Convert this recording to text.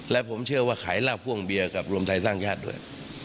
และผมเชื่อว่าขายลาบพ่วงเบียร์กับรวมไทยสร้างชาติด้วย